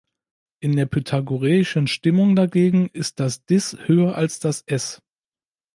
In der pythagoreischen Stimmung dagegen ist das "Dis" höher als das "Es".